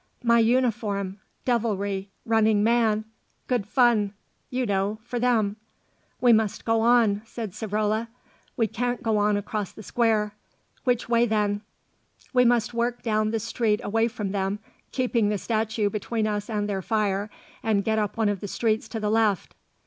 "My uniform devilry running man good fun, you know for them." "We must go on," said Savrola. "We can't go on across the square." "Which way, then?" "We must work down the street away from them, keeping the statue between us and their fire, and get up one of the streets to the left."